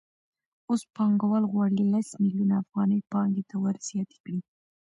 اوس پانګوال غواړي لس میلیونه افغانۍ پانګې ته ورزیاتې کړي